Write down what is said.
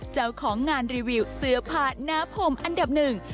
เจ้าของงานรีวิวเสื้อผ้าหน้าผมอันดับหนึ่ง